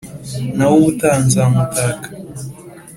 Nawe ubutaha nzamutaka